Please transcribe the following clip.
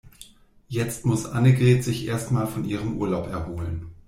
Jetzt muss Annegret sich erst mal von ihrem Urlaub erholen.